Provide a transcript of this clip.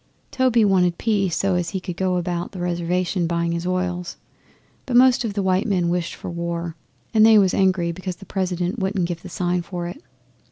Toby wanted peace so as he could go about the Reservation buying his oils. But most of the white men wished for war, and they was angry because the President wouldn't give the sign for it.